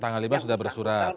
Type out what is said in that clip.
tanggal lima sudah bersurat